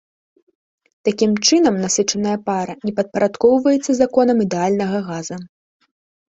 Такім чынам насычаная пара не падпарадкоўваецца законам ідэальнага газа.